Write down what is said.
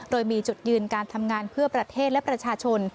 โดยมีจุดยืนการทำงานเพื่อประเทศและประชาชน